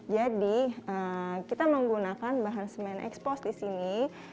jadi kita menggunakan bahan semen ekspos di sini